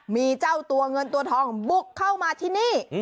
มีเจ้าตัวเงินตัวทองบุกเข้ามาที่นี่